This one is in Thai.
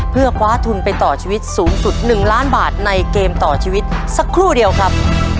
เพื่อคว้าทุนไปต่อชีวิตสูงสุด๑ล้านบาทในเกมต่อชีวิตสักครู่เดียวครับ